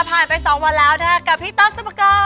ผ่านไปสองวันแล้วนะคะกับพี่ต๊อกซุภกร